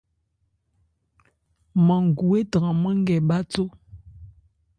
Mángu étranmán nkɛ bháthó.